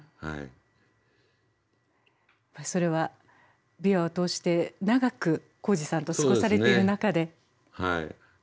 それは琵琶を通して長く宏司さんと過ごされてる中で。